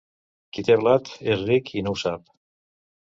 Qui té blat és ric i no ho sap.